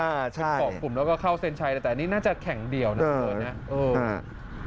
เกาะกลุ่มแล้วก็เข้าเซ็นไชน์แต่นี่น่าจะแข่งเดี่ยวนะ